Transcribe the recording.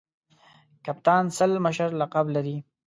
کپتان سل مشر لقب لري.